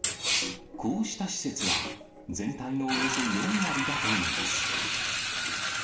こうした施設は、全体のおよそ４割だといいます。